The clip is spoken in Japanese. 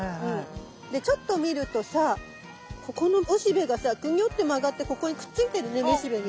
でちょっと見るとさここの雄しべがさグニョって曲がってここにくっついてるね雌しべに。